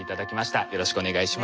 よろしく願いします。